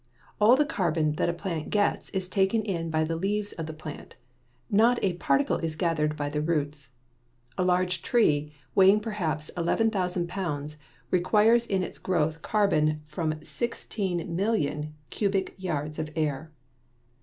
All the carbon that a plant gets is taken in by the leaves of the plant; not a particle is gathered by the roots. A large tree, weighing perhaps 11,000 pounds, requires in its growth carbon from 16,000,000 cubic yards of air.